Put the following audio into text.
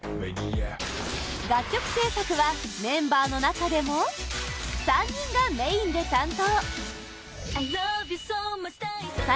楽曲制作はメンバーの中でも３人がメインで担当